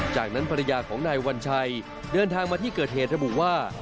จากนั้นภรรยาของนายวัญชัยเดินทางมาที่เกิดเหตุระบุว่า